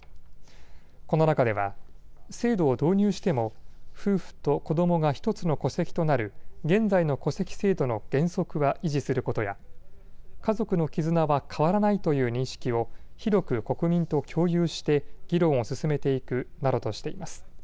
この中では制度を導入しても夫婦と子どもが１つの戸籍となる現在の戸籍制度の原則は維持することや家族の絆は変わらないという認識を広く国民と共有して議論を進めていくなどとしています。